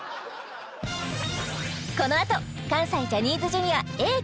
このあと関西ジャニーズＪｒ．Ａぇ！